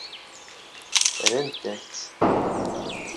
Rrant-ak-tt.